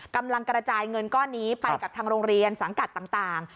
กำลังกระจายเงินก้อนนี้ไปกับทางโรงเรียนสังกัดต่าง